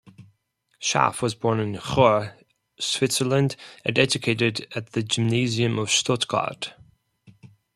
Schaff was born in Chur, Switzerland, and educated at the gymnasium of Stuttgart.